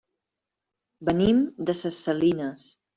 Venim de ses Salines.